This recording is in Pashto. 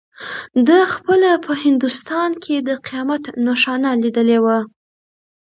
ده خپله په هندوستان کې د قیامت نښانه لیدلې وه.